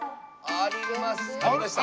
ありました。